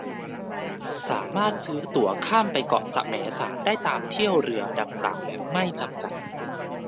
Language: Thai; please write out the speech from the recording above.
สามารถซื้อตั๋วข้ามไปเกาะแสมสารได้ตามเที่ยวเรือดังกล่าวแบบไม่จำกัด